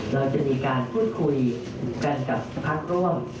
เราจะมีการพูดคุยกันกับพักร่วม